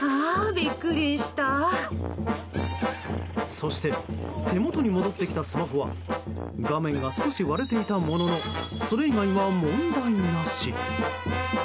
そして手元に戻ってきたスマホは画面が少し割れていたもののそれ以外は問題なし。